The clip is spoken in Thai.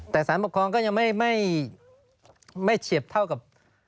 แต่สารปกครองก็ยังไม่เฉียบเท่ากับ